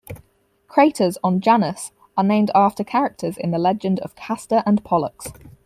Craters on Janus are named after characters in the legend of Castor and Pollux.